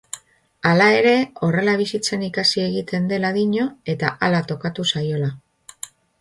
Hala ere, horrela bizitzen ikasi egiten dela dio eta hala tokatu zaiola.